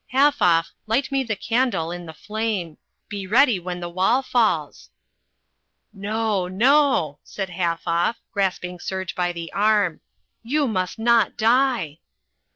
"Halfoff, light me the candle in the flame. Be ready when the wall falls." "No, no," said Halfoff, grasping Serge by the arm. "You must not die!"